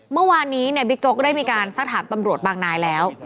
เมื่อวานนี้บิ๊กโจ๊กได้มีการสักถามตำรวจบางนายแล้ว